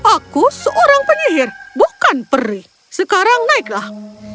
aku seorang penyihir bukan peri sekarang naiklah